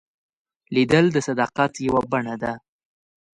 لیدل د صداقت یوه بڼه ده